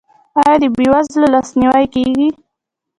آیا د بې وزلو لاسنیوی کیږي؟